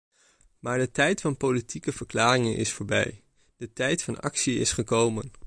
Maar de tijd van politieke verklaringen is voorbij, de tijd van actie is gekomen.